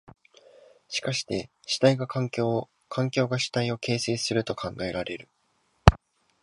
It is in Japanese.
しかして主体が環境を、環境が主体を形成すると考えられる。